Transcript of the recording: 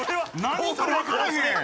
何かわからへん！